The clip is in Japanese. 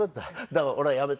だから俺はやめた。